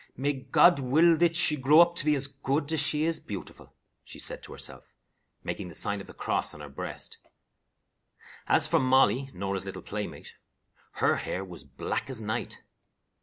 "May God will that she grow up to be as good as she is beautiful," she said to herself, making the sign of the cross on her breast. As for Molly, Norah's little playmate, her hair was black as night.